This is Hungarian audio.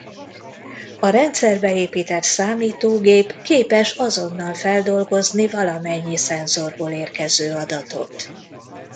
A rendszerbe épített számítógép képes azonnal feldolgozni valamennyi szenzorból érkező adatot.